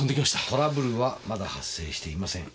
トラブルはまだ発生していません。